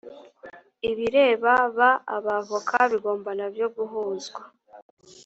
ibireba ba abavoka bigomba na byo guhuzwa